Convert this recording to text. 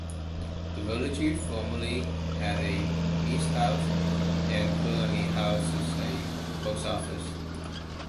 The village formerly had a police house, and currently houses a post office.